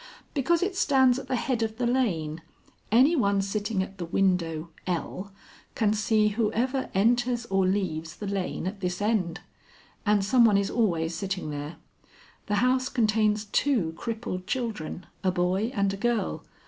"Because it stands at the head of the lane. Any one sitting at the window L can see whoever enters or leaves the lane at this end. And some one is always sitting there. The house contains two crippled children, a boy and a girl.